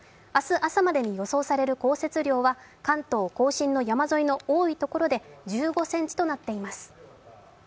明日朝までに予想される降雪量は関東甲信の山沿いの多い所で１５ｃｍとなっています。